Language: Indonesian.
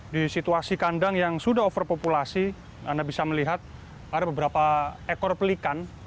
di situasi kandang yang sudah overpopulasi anda bisa melihat ada beberapa ekor pelikan